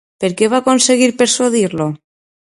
Per què va aconseguir persuadir-lo?